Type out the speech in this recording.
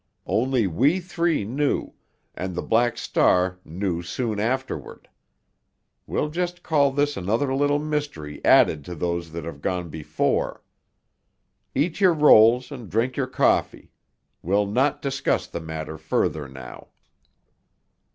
Only we three knew—and the Black Star knew soon afterward. We'll just call this another little mystery added to those that have gone before. Eat your rolls and drink your coffee. We'll not discuss the matter further now."